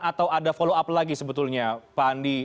atau ada follow up lagi sebetulnya pak andi